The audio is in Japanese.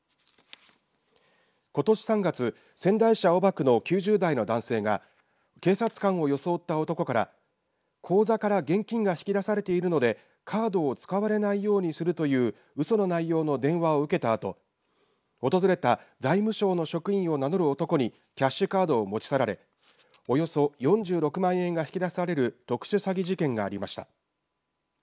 ことし３月仙台市青葉区の９０代の男性が警察官を装った男から口座から現金が引き出されているのでカードを使われないようにするといううその内容の電話を受けたあと訪れた外務省の職員を名乗る男にキャッシュカードを持ち去られおよそ４６万円が引き出される特殊詐欺事件がありました。